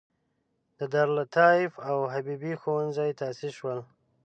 د دارالتالیف او حبیبې ښوونځی تاسیس شول.